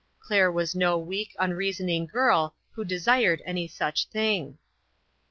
Claire was no weak, unreasoning girl who desired any such thing. 5O INTERRUPTED.